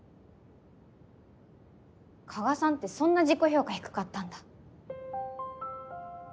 加賀さんってそんな自己評価低かったんだ。